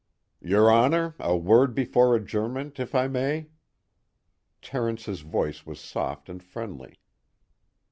"Your Honor, a word before adjournment if I may?" Terence's voice was soft and friendly.